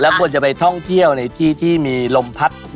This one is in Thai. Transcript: ควรจะไปท่องเที่ยวในที่ที่มีลมพัด